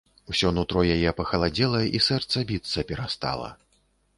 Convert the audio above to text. Усё нутро яе пахаладзела, і сэрца біцца перастала.